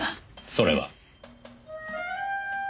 それは。